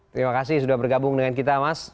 terima kasih sudah bergabung dengan kita mas